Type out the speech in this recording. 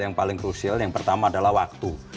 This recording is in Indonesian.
yang paling krusial yang pertama adalah waktu